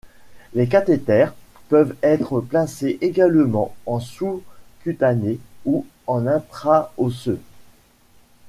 Les cathéters peuvent être placés également en sous-cutané ou en intra-osseux.